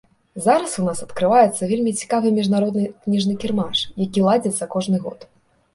Зараз у нас адкрываецца вельмі цікавы міжнародны кніжны кірмаш, які ладзіцца кожны год.